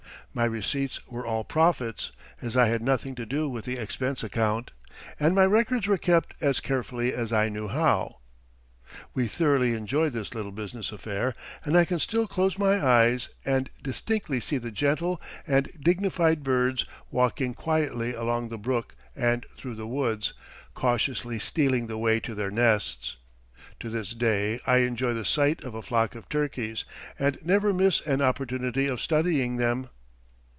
My receipts were all profit, as I had nothing to do with the expense account, and my records were kept as carefully as I knew how. We thoroughly enjoyed this little business affair, and I can still close my eyes, and distinctly see the gentle and dignified birds walking quietly along the brook and through the woods, cautiously stealing the way to their nests. To this day I enjoy the sight of a flock of turkeys, and never miss an opportunity of studying them.